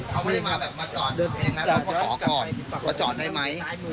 เขาไม่ได้มาแบบมาจอดเดินเองนะเขาก็ขอก่อนว่าจอดได้ไหม